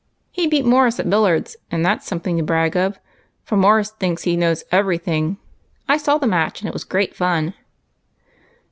He beat Morse at billiards, and that 's something to brag of, for Morse thinks he knows every thing. I saw the match, and it was great fun